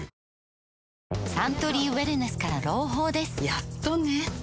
やっとね